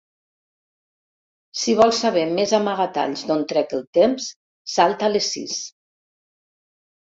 Si vols saber més amagatalls d'on trec el temps, salta a les sis.